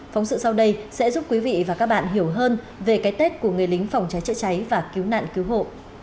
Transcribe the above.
phóng sự sau đây sẽ giúp quý vị và các bạn hiểu hơn về cái tết của người lính phòng cháy chữa cháy và cứu nạn cứu hộ